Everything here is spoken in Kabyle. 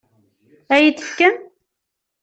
Ad iyi-t-tefkem?